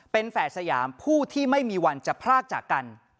เป็นแฝดสยามผู้ที่ไม่มีวันจะพรากจากกัน